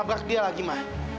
mau labrak dia lagi ma